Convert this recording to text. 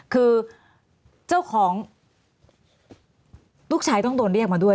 คือเจ้าของลูกชายต้องโดนเรียกมาด้วย